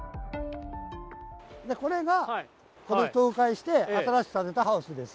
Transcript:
これが倒壊して、新しく建てたハウスです。